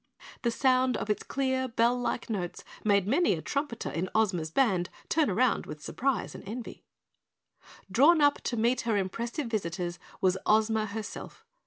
The sound of its clear, bell like notes made many a trumpeter in Ozma's band turn round with surprise and envy. Drawn up to meet her impressive visitors was Ozma herself.